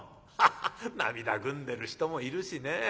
ハハッ涙ぐんでる人もいるしね。